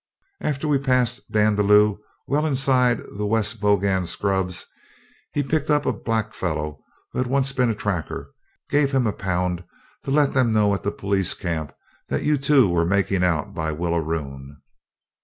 'After we'd passed Dandaloo, and well inside the West Bogan scrubs, he picked up a blackfellow that had once been a tracker; gave him a pound to let them know at the police camp that you were making out by Willaroon.'